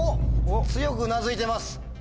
強くうなずいてます。